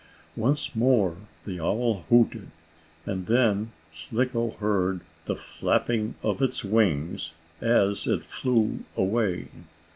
Once more the owl hooted, and then Slicko heard the flapping of its wings as it flew away.